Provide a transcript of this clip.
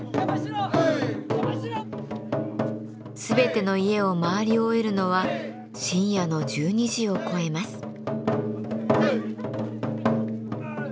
全ての家を回り終えるのは深夜の１２時を超えます。